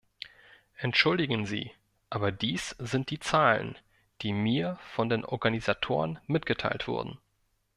Entschuldigen Sie, aber dies sind die Zahlen, die mir von den Organisatoren mitgeteilt wurden.